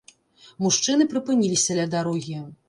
Мужчыны прыпыніліся ля дарогі.